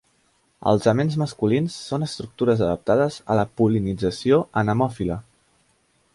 Els aments masculins són estructures adaptades a la pol·linització anemòfila.